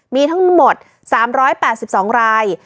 มีทั้งหมด๓๘๒ราย